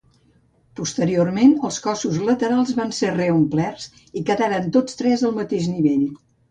Posteriorment els cossos laterals van ser reomplerts i quedaren tots tres al mateix nivell.